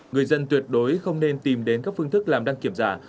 người dân tuyệt đối không nên tìm đến các phương thức làm đăng kiểm giả